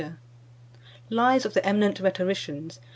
LIVES OF EMINENT RHETORICIANS.